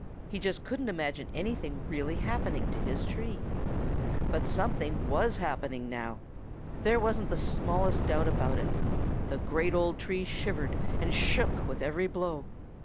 He just couldn't imagine anything really happening to his tree. But something was happening now. There wasn't the smallest doubt about it. The great old tree shivered and shook with every blow.